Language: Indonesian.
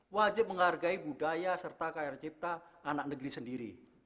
wajib menghargai budaya serta karir cipta anak negeri sendiri